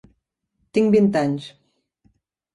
Tinc vint anys.